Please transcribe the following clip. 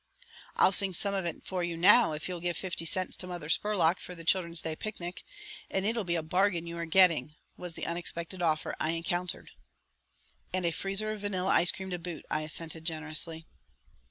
"I'll sing some of it for you now, if you'll give fifty cents to Mother Spurlock for the Children's Day Picnic. And it'll be a bargain you are getting," was the unexpected offer I encountered. "And a freezer of vanilla ice cream to boot," I assented, generously.